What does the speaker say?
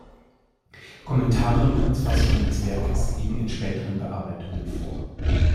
Kommentare und Kurzfassungen des Werkes liegen in späteren Bearbeitungen vor.